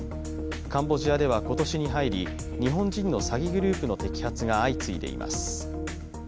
カンボジアでは今年に入り日本人の詐欺グループの摘発が相次いでいます